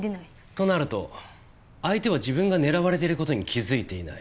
となると相手は自分が狙われている事に気づいていない。